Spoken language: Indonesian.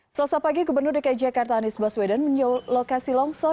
selasa pagi gubernur dki jakarta anies baswedan menjauh lokasi longsor